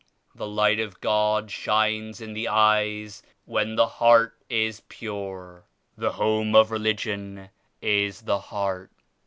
The Light of God shines in the eyes when the heart is pure. The home of Religion is the heart."